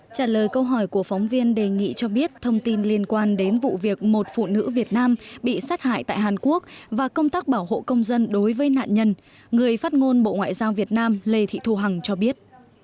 trả lời câu hỏi của phóng viên đề nghị cho biết thông tin liên quan đến vụ việc một phụ nữ việt nam bị sát hại tại hàn quốc và công tác bảo hộ công dân đối với nạn nhân người phát ngôn bộ ngoại giao việt nam lê thị thu hằng cho biết